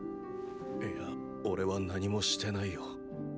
いやおれは何もしてないよ。